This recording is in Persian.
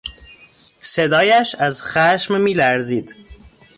صدایش از خشم میلرزید.